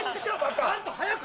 ちゃんと速く。